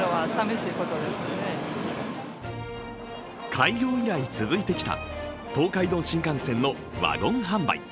開業以来続いてきた東海道新幹線のワゴン販売。